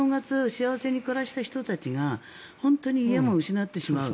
幸せに暮らした人たちが本当に家も失ってしまう。